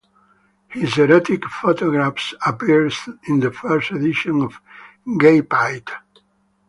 His erotic photographs appeared in the first edition of "Gai Pied".